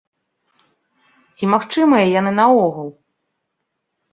І ці магчымыя яны наогул?